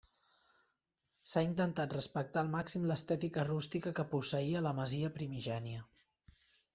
S'ha intentat respectar al màxim l'estètica rústica que posseïa la masia primigènia.